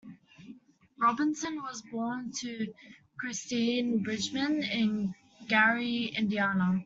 Robinson was born to Christine Bridgeman in Gary, Indiana.